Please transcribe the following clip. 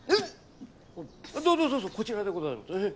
・どうぞどうぞこちらでございます。